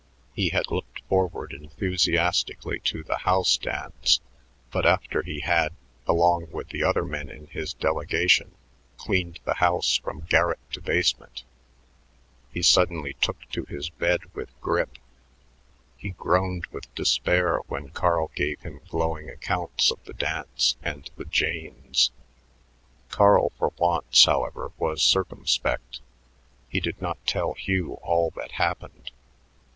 He had looked forward enthusiastically to the "house dance," but after he had, along with the other men in his delegation, cleaned the house from garret to basement, he suddenly took to his bed with grippe. He groaned with despair when Carl gave him glowing accounts of the dance and the "janes." Carl for once, however, was circumspect; he did not tell Hugh all that happened.